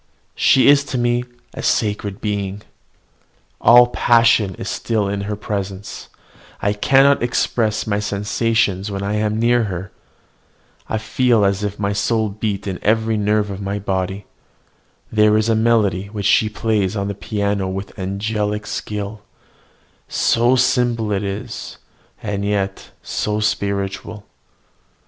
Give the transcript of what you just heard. She is to me a sacred being. All passion is still in her presence: I cannot express my sensations when I am near her. I feel as if my soul beat in every nerve of my body. There is a melody which she plays on the piano with angelic skill, so simple is it, and yet so spiritual!